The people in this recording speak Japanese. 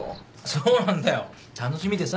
そうなんだよ楽しみでさ。